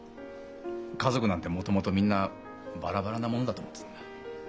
家族なんてもともとみんなバラバラなものだと思ってたんだ。